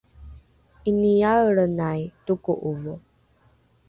’iniaelrenai toko’ovo